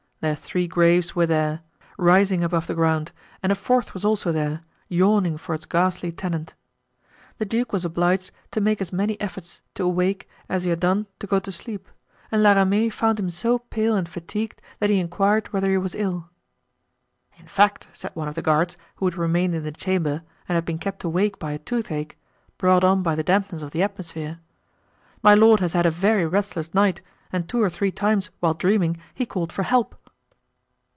Their three graves were there, rising above the ground, and a fourth was also there, yawning for its ghastly tenant. The duke was obliged to make as many efforts to awake as he had done to go to sleep; and La Ramee found him so pale and fatigued that he inquired whether he was ill. "In fact," said one of the guards who had remained in the chamber and had been kept awake by a toothache, brought on by the dampness of the atmosphere, "my lord has had a very restless night and two or three times, while dreaming, he called for help."